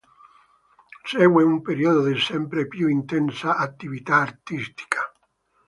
Segue un periodo di sempre più intensa attività artistica.